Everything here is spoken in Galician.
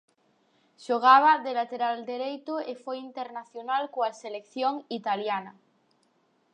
Xogaba de lateral dereito e foi internacional coa selección italiana.